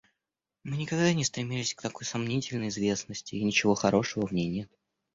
Мы никогда не стремились к такой сомнительной известности, и ничего хорошего в ней нет.